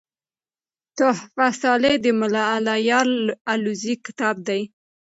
"تحفه صالح" دملا الله یار الوزي کتاب دﺉ.